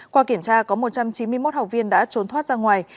qua kiểm tra có một trăm chín mươi một học viên đã trốn thoát ra ngoài